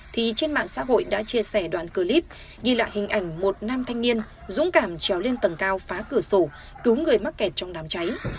thì trên mạng xã hội đã chia sẻ đoạn clip ghi lại hình ảnh một nam thanh niên dũng cảm treo lên tầng cao phá cửa sổ cứu người mắc kẹt trong đám cháy